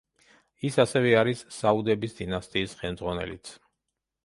ის ასევე არის საუდების დინასტიის ხელმძღვანელიც.